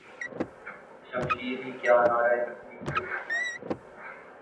شمشیر ہی کیا نعرہ تکبیر بھی فتنہ